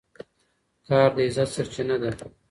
کار د عزت سرچینه ده.